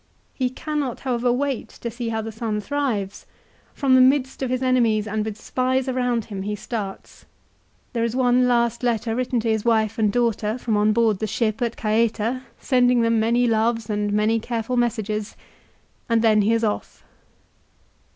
He cannot, however, wait to see how the son thrives. From the midst of enemies and with spies around him he starts. There is one last letter written to his wife and daughter from on board the ship at Caieta, sending them many loves and many careful messages, and then he is off.